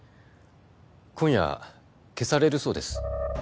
今夜消されるそうです。